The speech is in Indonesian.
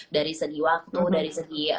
dari segi waktu dari segi